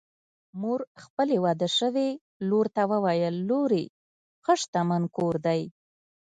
مور خپلې واده شوې لور ته وویل: لورې! ښه شتمن کور دی